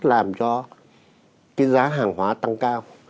làm cho cái giá hàng hóa tăng cao